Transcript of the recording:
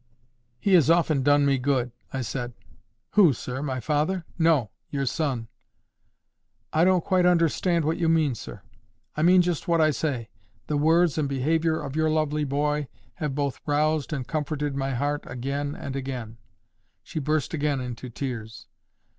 "He has often done me good," I said. "Who, sir? My father?" "No. Your son." "I don't quite understand what you mean, sir." "I mean just what I say. The words and behaviour of your lovely boy have both roused and comforted my heart again and again." She burst again into tears.